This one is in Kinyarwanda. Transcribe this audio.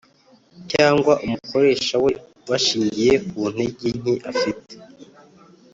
cyangwa umukoresha we bashingiye ku ntege nke afite,